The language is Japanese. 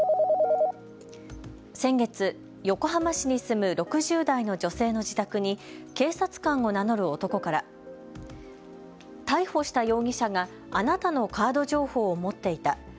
先月、横浜市に住む６０代の女性の自宅に警察官を名乗る男から逮捕した容疑者があなたのカード情報を持っていた。